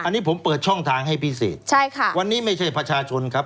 อันนี้ผมเปิดช่องทางให้พิเศษใช่ค่ะวันนี้ไม่ใช่ประชาชนครับ